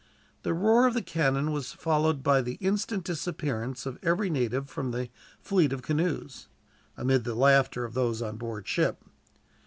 The roar of the cannon was followed by the instant disappearance of every native from the fleet of canoes, amid the laughter of those on board ship.